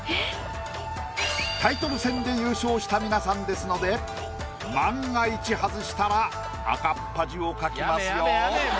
タイトル戦で優勝した皆さんですので万が一外したら赤っ恥をかきますよ。